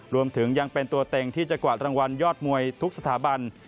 รวมถึงยังเป็นตัวเต็งที่จะกวาดรางวัลยอดมวยทุกสถาบัน